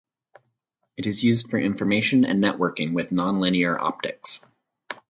It is used for information and networking with nonlinear optics.